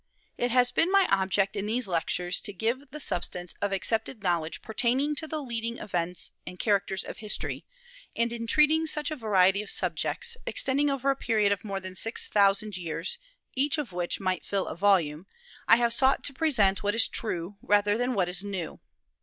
It has been my object in these Lectures to give the substance of accepted knowledge pertaining to the leading events and characters of history; and in treating such a variety of subjects, extending over a period of more than six thousand years, each of which might fill a volume, I have sought to present what is true rather than what is new.